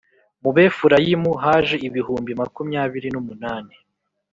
Mu Befurayimu haje ibihumbi makumyabiri n umunani